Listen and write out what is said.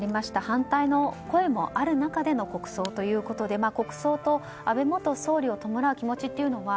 反対の声もある中での国葬ということで国葬と安倍元総理を弔う気持ちというのは